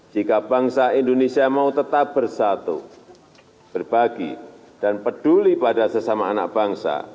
jika bangsa indonesia mau tetap bersatu berbagi dan peduli pada sesama anak bangsa